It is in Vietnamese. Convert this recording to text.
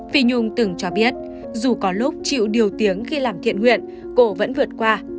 phi nhung từng cho biết dù có lúc chịu điều tiếng khi làm thiện nguyện cổ vẫn vượt qua